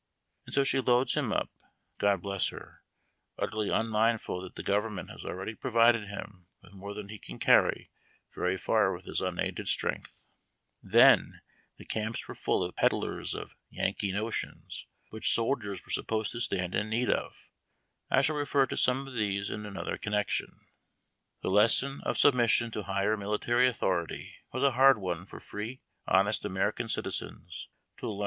td'so she lolds him up God bless her ! nttery un mindful that the government has ■' ^^3' Pr cle hun with more than he can carry very far with h,s unaided strength. npdlers of " Yankee notions," Then, the camps were full ot peuieis oi which soldiers were supposed to stand in need of. I shall refer to some of these in another connection. The lesson ot submission to higher military authority was a hard one for free, honest American citizens to l«u.